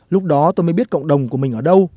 lúc đó tôi mới biết cộng đồng của mình ở đâu